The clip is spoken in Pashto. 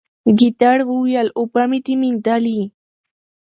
ګیدړ وویل اوبه مي دي میندلي